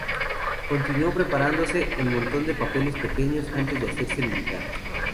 Continuó preparándose en un montón de papeles pequeños antes de hacerse militar.